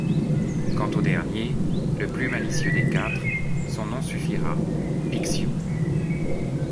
Quant au dernier, le plus malicieux des quatre, son nom suffira: Bixiou!